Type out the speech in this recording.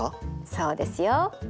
そうですよ。